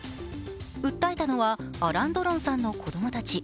訴えたのはアラン・ドロンさんの子供たち。